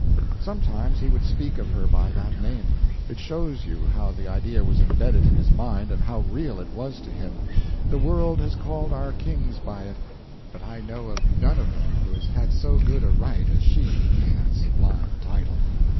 Sometimes he would speak of her by that name. It shows you how the idea was embedded in his mind, and how real it was to him. The world has called our kings by it, but I know of none of them who has had so good a right as she to that sublime title.